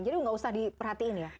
jadi nggak usah diperhatiin ya